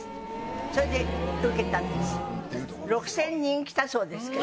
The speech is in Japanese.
それで受けたんです。え！